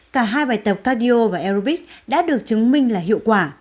cả hai bài tập cardio và aerobics đã được chứng minh là hiệu quả